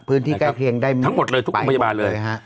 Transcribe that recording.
พื้นที่ใกล้เคียงได้ทั้งหมดเลยทุกโรงพยาบาลเลย